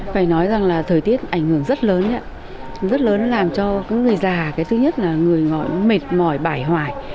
phải nói rằng là thời tiết ảnh hưởng rất lớn rất lớn làm cho người già cái thứ nhất là người gọi mệt mỏi bải hoài